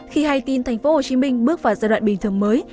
khi hay tin thành phố hồ chí minh bước vào giai đoạn bình thường mới